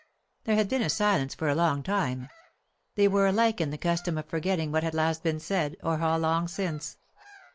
There had been silence for a long time. They were alike in the custom of forgetting what had last been said, or how long since.